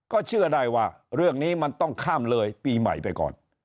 ก็เชื่อได้ว่าเรื่องนี้มันต้องข้ามเลยปีใหม่ไปก่อน